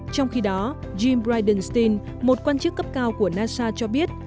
trong khi đó jim bridenstine một quan chức cấp cao của nasa cho biết